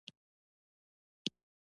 وروسته تر دې